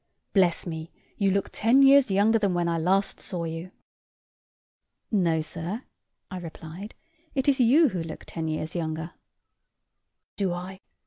Bless me, you look ten years younger than when I last saw you." "No, sir," I replied, "It is you who look ten years younger." "Do I?